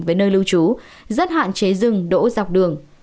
với nơi lưu trú rất hạn chế dừng đỗ dọc đường